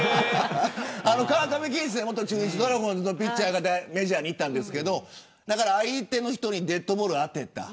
川上さんは元中日ドラゴンズのピッチャーでメジャーに行ったんですけど相手の人にデッドボールを当てた。